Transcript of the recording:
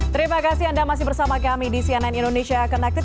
terima kasih anda masih bersama kami di cnn indonesia connected